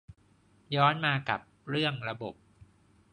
ย้อนกับมาเรื่องระบบ